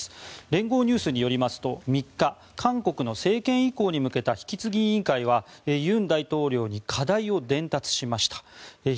連合ニュースによりますと３日韓国の政権移行に向けた引き継ぎ委員会は尹大統領に課題を伝達しました。